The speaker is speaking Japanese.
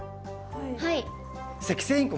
はい。